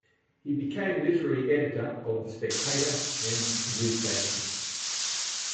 He became literary editor of "The Spectator" and the "New Statesman".